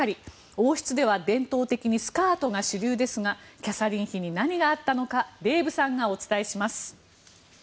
王室では伝統的にスカートが主流ですがキャサリン妃に何があったのかデーブさんがお伝えします。